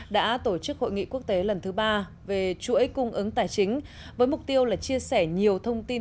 đã tổ chức hội nghị quốc tế lần thứ ba về chuỗi cung ứng tài chính với mục tiêu là chia sẻ nhiều thông tin